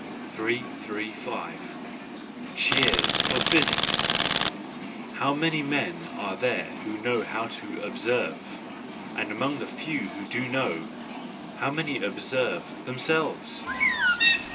335 Cheers for Physics ! —How many men are there who know how to observe ? And among the few who do know,—how many observe themselves?